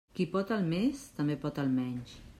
Qui pot el més també pot el menys.